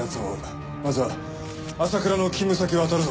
まずは朝倉の勤務先をあたるぞ。